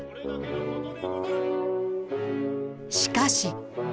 しかし。